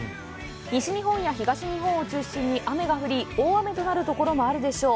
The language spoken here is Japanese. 西日本や東日本を中心に雨が降り大雨となるところもあるでしょう。